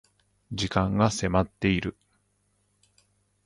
時間が迫っている